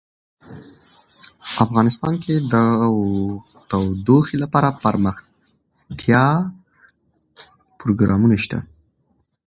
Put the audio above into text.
افغانستان کې د تودوخه لپاره دپرمختیا پروګرامونه شته.